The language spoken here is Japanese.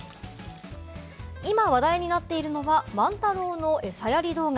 今話題になっているのは、マンタロウのエサやり動画。